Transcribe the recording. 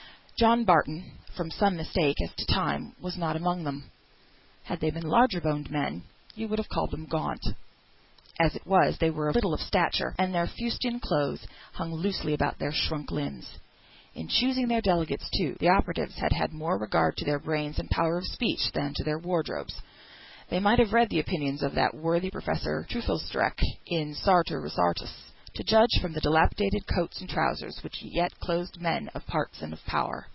John Barton, from some mistake as to time, was not among them. Had they been larger boned men, you would have called them gaunt; as it was, they were little of stature, and their fustian clothes hung loosely upon their shrunk limbs. In choosing their delegates, too, the operatives had had more regard to their brains, and power of speech, than to their wardrobes; they might have read the opinions of that worthy Professor Teufelsdruch, in Sartor Resartus, to judge from the dilapidated coats and trousers, which yet clothed men of parts and of power.